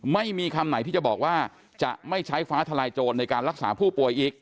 ไม่มีคำไหนที่จะบอกว่าจะไม่ใช้ฟ้าทลายโจรในการรักษาผู้ป่วยอีก